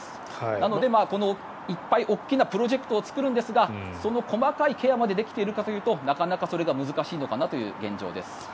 なので、いっぱい大きなプロジェクトを作るんですがその細かいケアまでできているかというとなかなかそれが難しいのかという現状です。